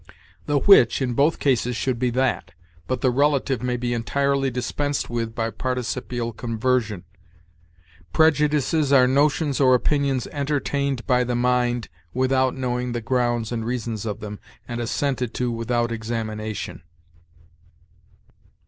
The 'which' in both cases should be 'that,' but the relative may be entirely dispensed with by participial conversion: 'prejudices are notions or opinions entertained by the mind without knowing the grounds and reasons of them, and assented to without examination.'